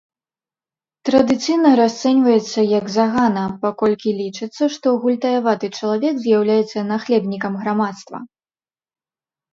Традыцыйна расцэньваецца як загана, паколькі лічыцца, што гультаяваты чалавек з'яўляецца нахлебнікам грамадства.